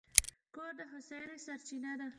کور د هوساینې سرچینه ده.